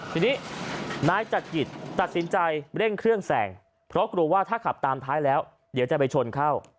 ทีนี้นายจัดกิจตัดสินใจเร่งเครื่องแสงเพราะกลัวว่าถ้าขับตามท้ายแล้วเดี๋ยวจะไปชนเข้า